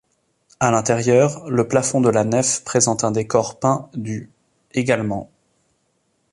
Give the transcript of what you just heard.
À l'intérieur, le plafond de la nef présente un décor peint du également.